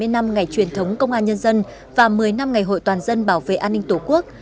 bảy mươi năm ngày truyền thống công an nhân dân và một mươi năm ngày hội toàn dân bảo vệ an ninh tổ quốc